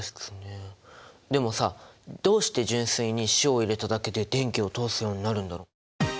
でもさどうして純水に塩を入れただけで電気を通すようになるんだろう？